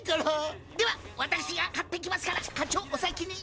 では私が買ってきますから課長お先に。